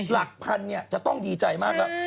หลักพันจะต้องดีใจมากแล้ว